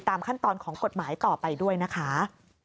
ขั้นตอนของกฎหมายต่อไปด้วยนะคะ